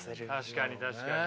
確かに確かに。